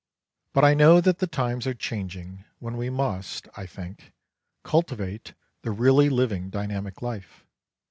But I know that the times are changing when we must, I think, cultivate the really living dynamic life.